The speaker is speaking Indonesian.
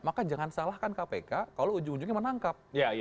maka jangan salahkan kpk kalau ujung ujungnya menangkap